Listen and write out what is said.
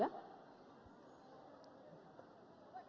adakah hal hal seperti itu yang sudah disiapkan juga